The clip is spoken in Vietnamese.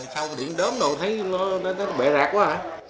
sau điện đốm thấy nó bệ rạc quá hả